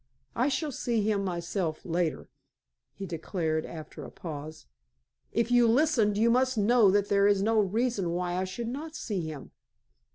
"I shall see him myself later," he declared after a pause. "If you listened, you must know that there is no reason why I should not see him.